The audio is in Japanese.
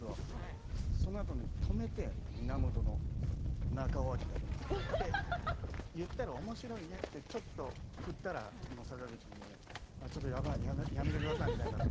そのあとにためて源中尾彬殿って言ったらおもしろいねってちょっと振ったら坂口君、ちょっとやばいやめてください、みたいになって。